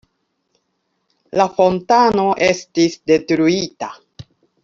La fontano estis detruita.